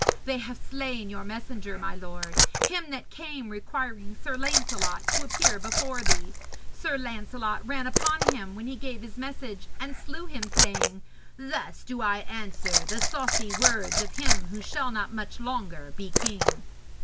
They have slain your messenger, my lord, him that came requiring Sir Lancelot to appear before thee. Sir Lancelot ran upon him when he gave his message and slew him, saying, "Thus do I answer the saucy words of him who shall not much longer be king."'